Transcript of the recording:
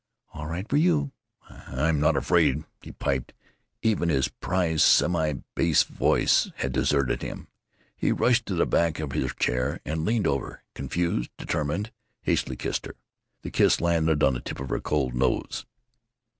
All right for you!" "I am not afraid!" he piped.... Even his prized semi bass voice had deserted him.... He rushed to the back of her chair and leaned over, confused, determined. Hastily he kissed her. The kiss landed on the tip of her cold nose.